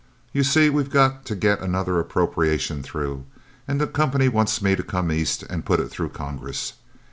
You see we've got to get another appropriation through, and the Company want me to come east and put it through Congress.